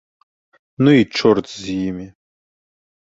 Ну і чорт з імі!